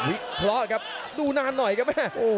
อุ้ยโร่ครับดูนานหน่อยครับแม่